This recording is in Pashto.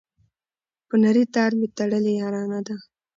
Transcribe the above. په نري تار مي تړلې یارانه ده